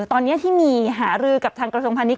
ตอนนี้ที่มีหารือกับทางกระทรวงพาณิช